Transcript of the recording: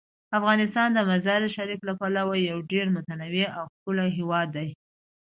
افغانستان د مزارشریف له پلوه یو ډیر متنوع او ښکلی هیواد دی.